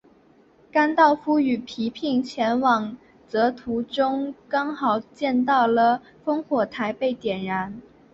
甘道夫与皮聘前往刚铎途中正好见到了烽火台被点燃。